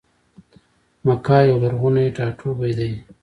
مکه یو لرغونی ټا ټوبی دی.